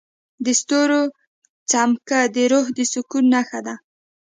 د ستورو چمک د روح د سکون نښه ده.